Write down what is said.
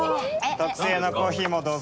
特製のコーヒーもどうぞ。